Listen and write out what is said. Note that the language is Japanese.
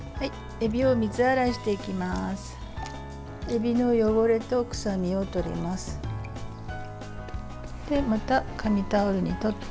えびの汚れと臭みをとります。